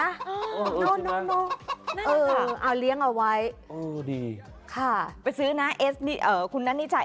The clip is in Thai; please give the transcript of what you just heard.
ไม่น่าจะเปล่าเออเอาเลี้ยงเอาไว้ค่ะไปซื้อน่ะเอสนี่คุณนั้นนี่ชาย